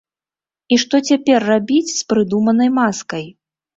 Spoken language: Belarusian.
І што цяпер рабіць з прыдуманай маскай?